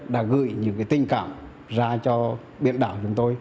đã gửi những tình cảm ra cho biển đảo chúng tôi